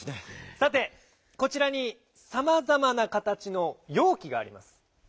さてこちらにさまざまなかたちのようきがあります。